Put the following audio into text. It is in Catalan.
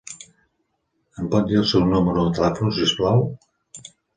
Em pot dir el seu número de telèfon, si us plau?